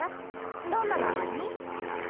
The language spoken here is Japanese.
どんな名前に？